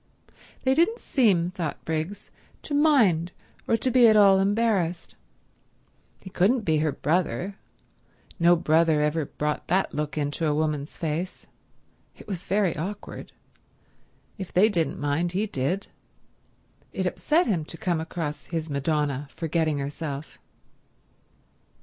They didn't seem, thought Briggs, to mind or to be at all embarrassed. He couldn't be her brother; no brother ever brought that look into a woman's face. It was very awkward. If they didn't mind, he did. It upset him to come across his Madonna forgetting herself.